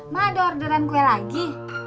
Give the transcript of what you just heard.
ma ada orderan kue lagi